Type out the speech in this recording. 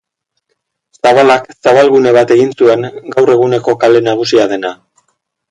Zabalak zabalgune bat egin zuen, gaur eguneko kale nagusia dena.